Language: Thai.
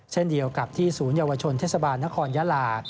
เช่นเดียวกับที่ศูนยวชนเทศบาลนครยาลา